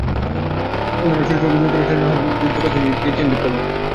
অন্যান্য চরিত্রে অভিনয় করেছেন রাহুল দেব, রজনীশ ডুগ্গাল, ভিজে অ্যান্ডি প্রমুখ।